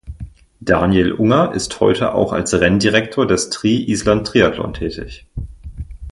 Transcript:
Daniel Unger ist heute auch als Renndirektor des „Tri-Island-Triathlon“ tätig.